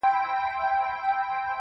زما له زړه څخه غمونه ولاړ سي~